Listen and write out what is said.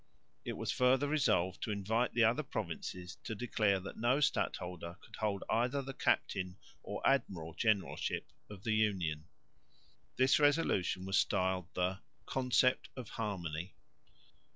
It was further resolved to invite the other provinces to declare that no stadholder could hold either the captain or admiral generalship of the Union. This resolution was styled the "Concept of Harmony."